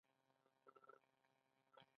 ایران د چای څښلو کلتور لري.